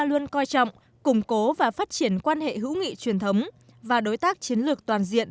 luôn coi trọng củng cố và phát triển quan hệ hữu nghị truyền thống và đối tác chiến lược toàn diện